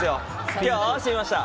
今日、合わせてきました。